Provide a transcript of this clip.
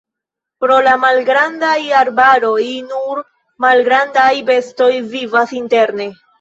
Pro la malgrandaj arbaroj nur malgrandaj bestoj vivas interne.